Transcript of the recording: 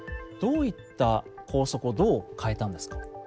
どういった校則をどう変えたんですか？